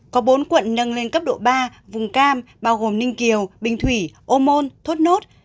có bốn quận nâng lên cấp độ ba vùng cam bao gồm ninh kiều bình thủy ô môn thốt nốt